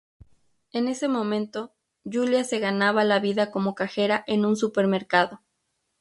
En ese momento, Yulia se ganaba la vida como cajera en un supermercado.